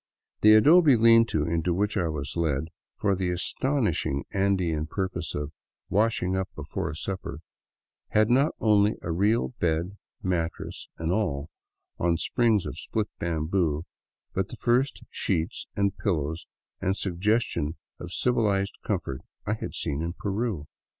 The adobe lean to into which I was led, for the astonishing Andean purpose of " washing up before supper," had not only a real bed, mattress and all, on springs of split bamboo, but the first sheets and pillows and suggestion of civilized comfort I had seen in Peru.